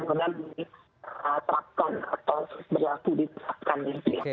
atau berlaku di tracton